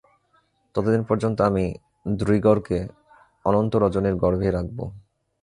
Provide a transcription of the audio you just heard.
ততদিন পর্যন্ত আমি দ্রুইগরকে অনন্ত রজনীর গর্ভেই রাখবো।